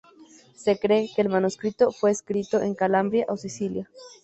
Se cree que el manuscrito fue escrito en Calabria o Sicilia.